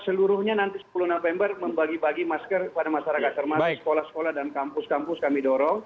seluruhnya nanti sepuluh november membagi bagi masker kepada masyarakat termasuk sekolah sekolah dan kampus kampus kami dorong